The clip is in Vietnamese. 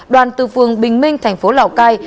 đoàn từ phường bình minh thành phố lào cai